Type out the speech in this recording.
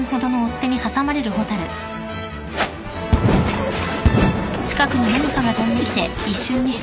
うっ。